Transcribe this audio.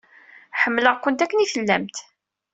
Ḥemmleɣ-kent akken i tellamt.